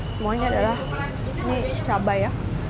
semuanya adalah cabai